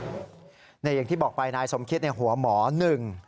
เนี่ยอย่างที่บอกไปนายสมเครียชเนี่ยหัวหมอหนึ่ง